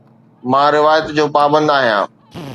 مان روايت جو پابند آهيان